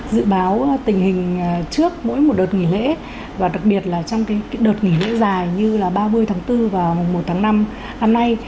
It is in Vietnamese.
dự báo tình hình trước mỗi một đợt nghỉ lễ và đặc biệt là trong đợt nghỉ lễ dài như là ba mươi tháng bốn và mùa một tháng năm năm nay